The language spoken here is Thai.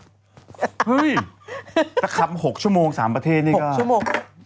เฮ้ยแต่ขับ๖ชั่วโมง๓ประเทศเนี่ยก็